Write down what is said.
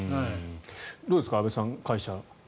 どうですか安部さん会社。